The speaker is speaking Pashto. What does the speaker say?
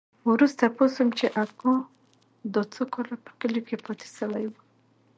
وروسته پوه سوم چې اکا دا څو کاله په کلي کښې پاته سوى و.